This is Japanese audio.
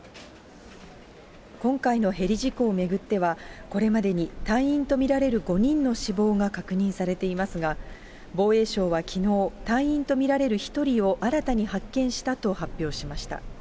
今回のヘリ事故を巡っては、これまでに隊員と見られる５人の死亡が確認されていますが、防衛省はきのう、隊員と見られる１人を新たに発見したと発表しました。